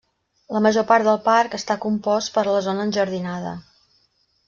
La major part del parc està compost per la zona enjardinada.